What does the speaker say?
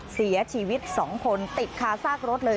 เสียชีวิต๒คนติดคาซากรถเลย